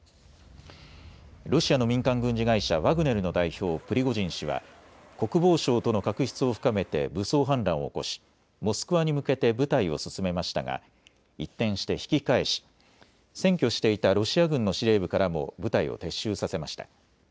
ロシアの民間軍事会社、ワグネルの代表、プリゴジン氏は国防省との確執を深めて武装反乱を起こしモスクワに向けて部隊を進めましたが一転して引き返し占拠していたロシア軍の司令部からも部隊を撤収させました。